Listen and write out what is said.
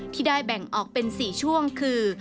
ที่ได้แบ่งออกเป็น๔ช่วงคือ